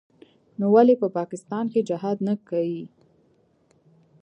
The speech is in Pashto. نو ولې په پاکستان کښې جهاد نه کيي.